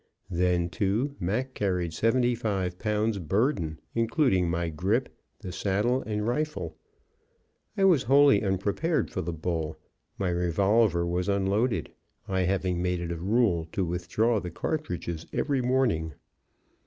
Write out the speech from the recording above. Then, too, Mac carried seventy five pounds burden, including my grip, the saddle and rifle. I was wholly unprepared for the bull; my revolver was unloaded, I having made it a rule to withdraw the cartridges every morning.